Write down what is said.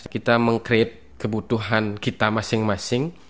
kita meng create kebutuhan kita masing masing